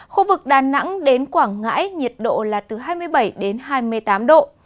khu vực đà nẵng đến quảng ngãi nhiệt độ là từ hai mươi bảy đến hai mươi tám độ